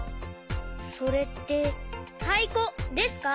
それってたいこですか？